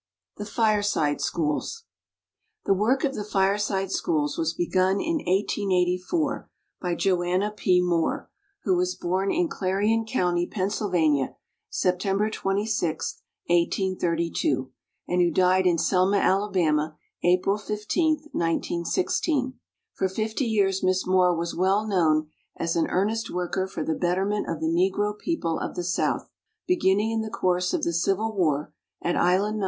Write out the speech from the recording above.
MOORE THE FIRESIDE SCHOOLS The work of the Fireside Schools was begun in 1884 by Joanna P. Moore, who was born in Clarion County, Pennsylvania, September 26, 1832, and who died in Selma, Alabama, April 15, 1916. For fifty years Miss Moore was well known as an earnest worker for the betterment of the Negro people of the South. Beginning in the course of the Civil War, at Island No.